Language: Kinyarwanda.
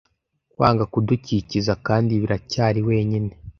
Kwanga kudukikiza kandi biracyari wenyine